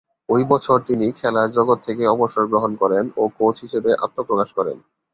ঐ বছর তিনি খেলার জগৎ থেকে অবসর গ্রহণ করেন ও কোচ হিসেবে আত্মপ্রকাশ করেন।